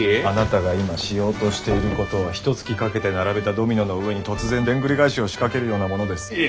あなたが今しようとしていることはひとつきかけて並べたドミノの上に突然でんぐり返しを仕掛けるようなものです。